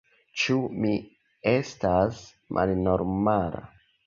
Ĉu mi estas malnormala?